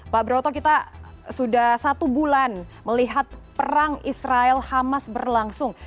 pak broto kita sudah satu bulan melihat perang israel hamas berlangsung